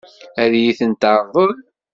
Ad iyi-ten-teṛḍel?